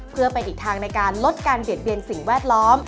เพื่อเป็นอีกทางในการลดการเบียดเบียนสิ่งแวดล้อม